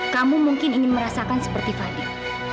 kamu mungkin ingin merasakan seperti fadi